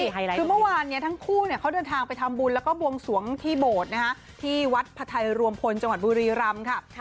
คือเมื่อวานทั้งคู่เขาเดินทางไปทำบุญแล้วก็บวงสวงที่โบสถ์ที่วัดพระไทยรวมพลจังหวัดบุรีรัมพ์